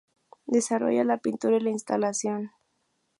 Desarrolla la pintura y la instalación.